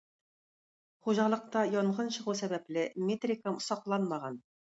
Хуҗалыкта янгын чыгу сәбәпле, метрикам сакланмаган.